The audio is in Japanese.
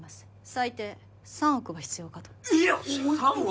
最低３億は必要かといや多いでしょ３億！？